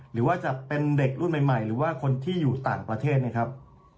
หรือว่าจะเป็นเด็กรุ่นใหม่หรือว่าคนที่อยู่ต่างประเทศไหมครับ